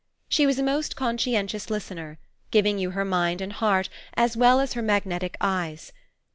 She was a most conscientious listener, giving you her mind and heart, as well as her magnetic eyes.